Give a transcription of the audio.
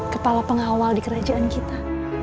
kepala pengawal di kerajaan kita